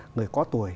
người có tuổi